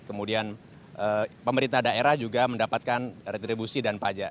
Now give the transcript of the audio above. kemudian pemerintah daerah juga mendapatkan retribusi dan pajak